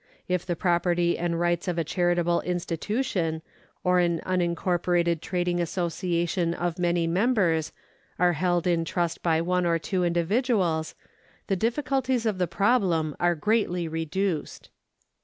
If the property and rights of a charitable institution or an unincorporated trading association of many members are held in trust by one or two individuals, the difficulties of the problem are greatly reduced.